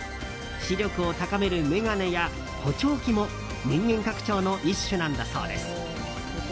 視力を高める眼鏡や補聴器も人間拡張の一種なんだそうです。